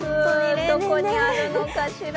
どこにあるのかしら。